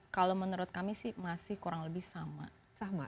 kalau menurut kami sih masih kurang lebih sama